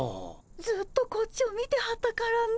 ずっとこっちを見てはったからね。